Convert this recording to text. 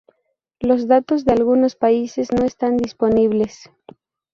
Los datos de algunos países no están disponibles.